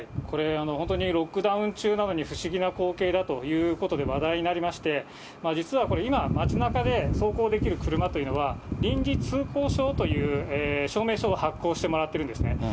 これ、本当にロックダウン中なのに不思議な光景だということで話題になりまして、実はこれ、今、街なかで走行できる車というのは、臨時通行証という証明書を発行してもらってるんですね。